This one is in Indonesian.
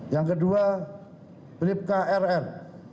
yang kedua blipka rl